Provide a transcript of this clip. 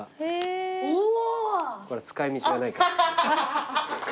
これは使い道がないからですね。